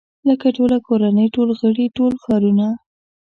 لکه ټوله کورنۍ ټول غړي ټول ښارونه.